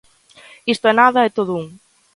Isto e nada é todo un.